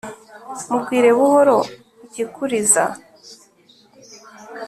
Mubwire buhoro ikikuriza